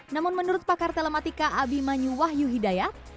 namun menurut pakar telematika abimanyu wahyu hidayat